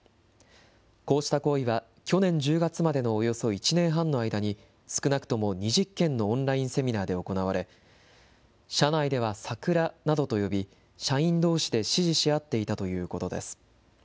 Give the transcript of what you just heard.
こうした行為は、去年１０月までのおよそ１年半の間に、少なくとも２０件のオンラインセミナーで行われ、社内ではサクラなどと呼び、社員どうしで指示し合っていたということです。